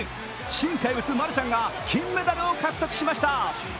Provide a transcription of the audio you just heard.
新怪物・マルシャンが金メダルを獲得しました。